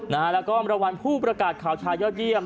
แล้วก็รางวัลผู้ประกาศข่าวชายยอดเยี่ยม